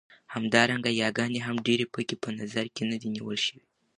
همدارنګه ياګانې هم ډېرې پکې په نظر کې نه دي نيول شوې.